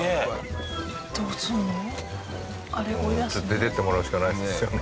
出ていってもらうしかないですよね。